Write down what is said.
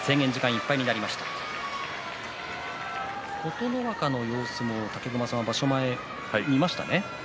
琴ノ若の様子も武隈さんは場所前、見ましたね。